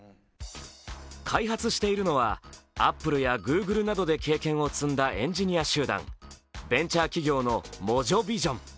開発しているのはアップルやＧｏｏｇｌｅなどで経験を積んだエンジニア集団、ベンチャー企業のＭｏｊｏＶｉｓｉｏｎ。